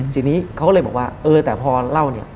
ทีนี้เขาก็เลยบอกว่าเออแต่พอเล่าเนี่ย